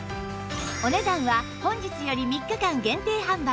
お値段は本日より３日間限定販売